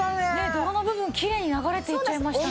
泥の部分きれいに流れていっちゃいましたね。